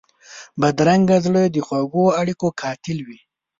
بدرنګه زړه د خوږو اړیکو قاتل وي